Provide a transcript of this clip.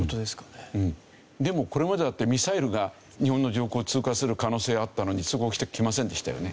でもこれまでだってミサイルが日本の上空を通過する可能性あったのに通告してきませんでしたよね。